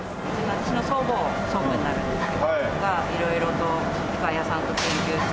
私の祖母祖父になるんですけど色々と機械屋さんと研究して。